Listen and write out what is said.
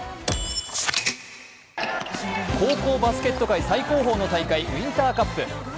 高校バスケット界最高峰の大会ウインターカップ。